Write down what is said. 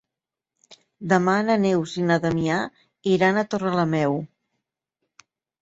Demà na Neus i na Damià iran a Torrelameu.